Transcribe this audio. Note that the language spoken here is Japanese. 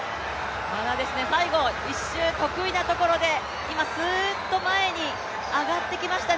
まだですね、最後、１周得意なところで、今、スーッと前に上がってきましたね。